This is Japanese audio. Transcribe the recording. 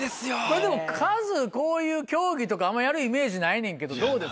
でもカズこういう競技とかあんまやるイメージないねんけどどうです？